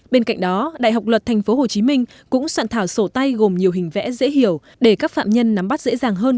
bên cạnh đó đại học luật tp hcm cũng soạn thảo sổ tay gồm nhiều hình vẽ dễ hiểu để các phạm nhân nắm bắt dễ dàng hơn